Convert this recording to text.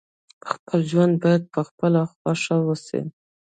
خپل ژوند باید په خپله خوښه وسي.